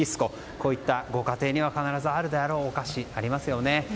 こういったご家庭には必ずあるであろうお菓子、ありますよね。